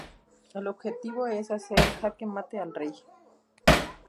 El objetivo es hacer jaque mate al rey.